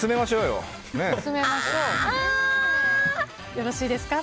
よろしいですか？